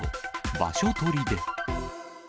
場所取りで。